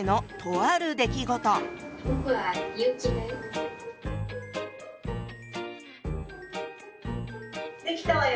「できたわよ」。